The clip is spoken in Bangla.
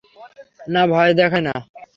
না, ভয় দেখায় না।